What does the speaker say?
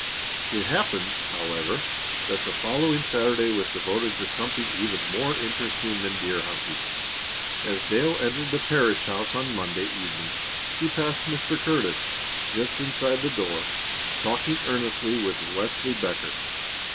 It happened, however, that the following Saturday was devoted to something even more interesting than deer hunting. As Dale entered the parish house on Monday evening he passed Mr. Curtis, just inside the door, talking earnestly with Wesley Becker.